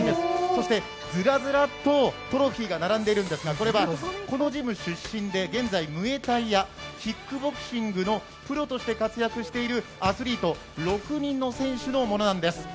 そして、ずらずらっとトロフィーが並んでいるんですが、これはこのジム出身で現在ムエタイやキックボクシングのプロとして活躍しているアスリート６人の選手のものなんです。